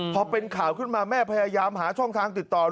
พอเป็นข่าวขึ้นมาแม่พยายามหาช่องทางติดต่อ